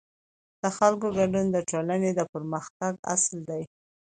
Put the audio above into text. د خلکو ګډون د ټولنې د پرمختګ اصل دی